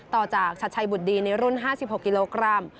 ต่อจากชัดชัยบุตรดีในรุ่น๕๖กิโลกรัม